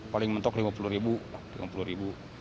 paling mentok lima puluh ribu lima puluh ribu